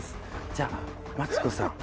じゃあマツコさん